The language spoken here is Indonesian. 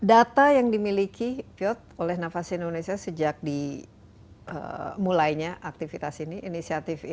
ini adalah data yang dimiliki fiod oleh navasi indonesia sejak di mulainya aktivitas ini inisialnya di indonesia